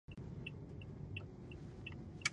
پردى کټ تر نيمو شپو دى.